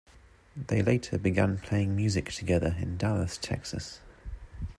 They later began playing music together in Dallas, Texas.